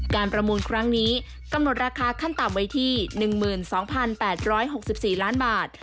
ประมูลครั้งนี้กำหนดราคาขั้นต่ำไว้ที่๑๒๘๖๔ล้านบาท